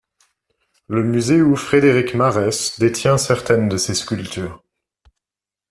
Le Museu Frederic Marès détient certaines de ses sculptures.